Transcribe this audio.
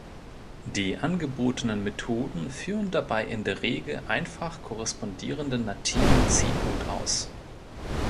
Die angebotenen Methoden führen dabei in der Regel einfach korrespondierenden nativen C-Code aus.